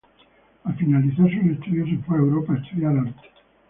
Al finalizar sus estudios, se fue a Europa a estudiar Arte.